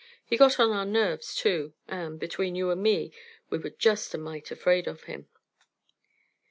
He got on our nerves, too; and, between you and me, we were just a mite afraid of him.